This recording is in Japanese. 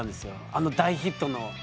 あの大ヒットの裏に。